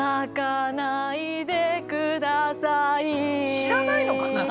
知らないのかな？